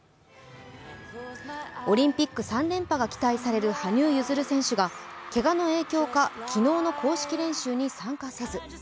オリンピック３連覇が期待される羽生結弦選手がけがの影響か、昨日の公式練習に参加せず。